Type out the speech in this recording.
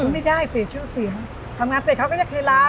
ไม่ได้เสียชื่อเสียงทำงานเสร็จเขาก็จะเทลา